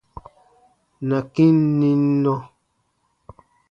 Na kĩ n nim nɔ.